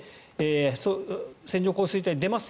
線状降水帯出ます